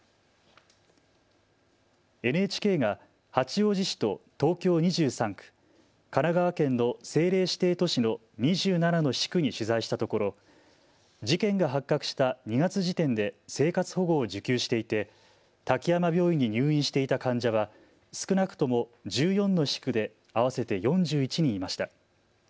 ＮＨＫが八王子市と東京２３区、神奈川県の政令指定都市の２７の市区に取材したところ、事件が発覚した２月時点で生活保護を受給していて滝山病院に入院していた患者は少なくとも１４の市区で合わせて４１人いました。